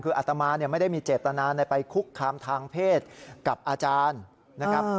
คืออัตมาไม่ได้มีเจตนาในไปคุกคามทางเพศกับอาจารย์นะครับ